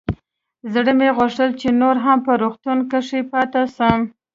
زړه مې غوښتل چې نور هم په روغتون کښې پاته سم.